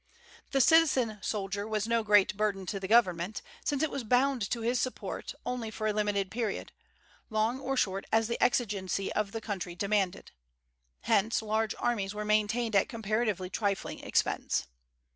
The citizen soldier was no great burden on the government, since it was bound to his support only for a limited period, long or short as the exigency of the country demanded. Hence, large armies were maintained at comparatively trifling expense.